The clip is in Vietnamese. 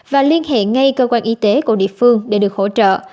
và liên hệ ngay cơ quan y tế của địa phương để được hỗ trợ